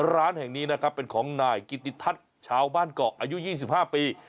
ร้านแห่งนี้นะครับเป็นของนายกิติทัศน์ชาวบ้านเกาะอายุ๒๕ปี